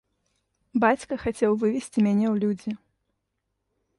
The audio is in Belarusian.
Бацька хацеў вывесці мяне ў людзі.